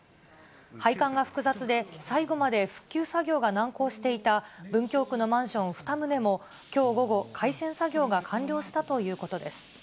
配管が複雑で最後まで復旧作業が難航していた文京区のマンション２棟もきょう午後、開栓作業が完了したということです。